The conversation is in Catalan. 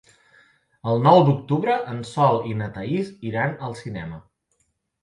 El nou d'octubre en Sol i na Thaís iran al cinema.